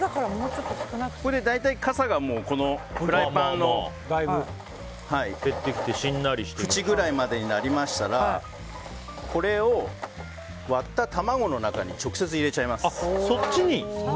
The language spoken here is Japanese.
大体かさがフライパンの縁ぐらいまでになりましたらこれを割った卵の中に直接、入れちゃいます。